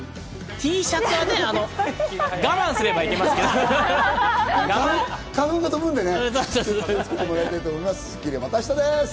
Ｔシャツは我慢すればいけますけど、花粉が飛ぶんだよね。